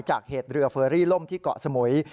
จากเหตุเรือเฟอรี่ล่มที่เกาะสมุย